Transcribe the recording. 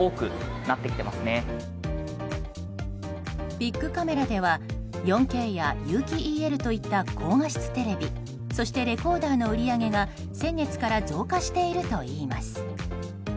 ビックカメラでは４Ｋや有機ＥＬといった高画質テレビそして、レコーダーの売り上げが、先月から増加しているといいます。